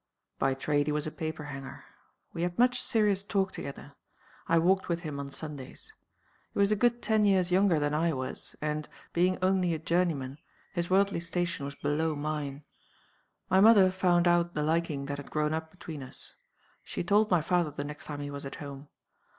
By trade he was a paper hanger. We had much serious talk together. I walked with him on Sundays. He was a good ten years younger than I was; and, being only a journeyman, his worldly station was below mine. My mother found out the liking that had grown up between us. She told my father the next time he was at home.